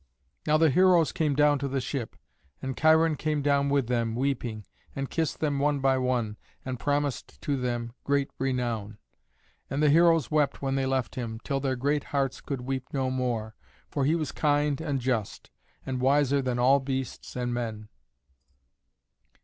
Now the heroes came down to the ship, and Cheiron came down with them, weeping, and kissed them one by one, and promised to them great renown. And the heroes wept when they left him, till their great hearts could weep no more, for he was kind and just, and wiser than all beasts and men.